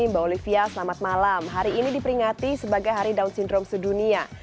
mbak olivia selamat malam hari ini diperingati sebagai hari down syndrome sedunia